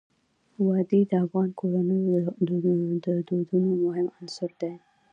وادي د افغان کورنیو د دودونو مهم عنصر دی.